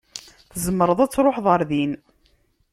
Tzemreḍ ad truḥeḍ ɣer din.